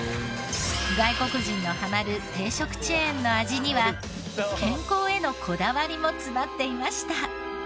外国人もハマる定食チェーンの味には健康へのこだわりも詰まっていました。